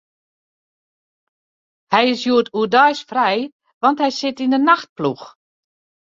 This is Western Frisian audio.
Hy is hjoed oerdeis frij, want hy sit yn 'e nachtploech.